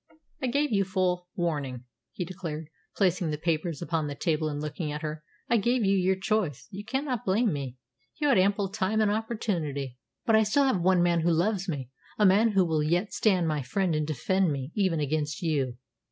"I gave you full warning," he declared, placing the papers upon the table and looking at her. "I gave you your choice. You cannot blame me. You had ample time and opportunity." "But I still have one man who loves me a man who will yet stand my friend and defend me, even against you!"